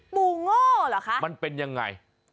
โง่เหรอคะมันเป็นยังไง